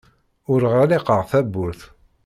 Ur ɣliqeɣ tawwurt.